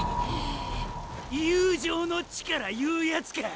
「友情の力」いうやつか。